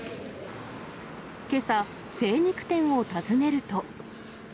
けさ、精肉店を訪ねると。